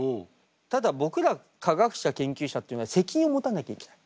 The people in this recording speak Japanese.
ただ僕ら科学者研究者っていうのは責任を持たなきゃいけない。